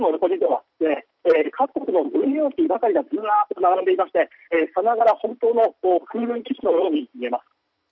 各国の軍用機ばかりがずらっと並んでいましてさながら本当の空軍基地のように見えます。